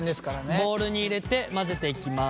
ボウルに入れて混ぜていきます。